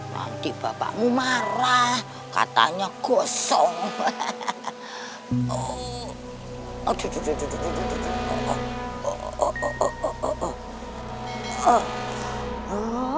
nanti bapakmu marah katanya gosong hehehe oh aduh aduh aduh aduh aduh aduh aduh aduh aduh